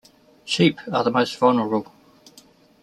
Sheep are the most vulnerable.